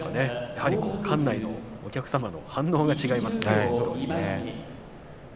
やはり館内のお客様の反応が違いますね。